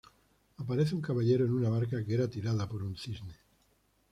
Aparece un caballero en una barca que era tirada por un cisne.